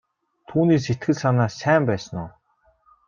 Түүний сэтгэл санаа сайн байсан уу?